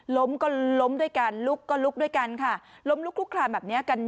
ล้มก็ล้มด้วยกันลุกก็ลุกด้วยกันค่ะ